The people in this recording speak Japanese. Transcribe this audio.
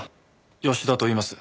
吉田といいます。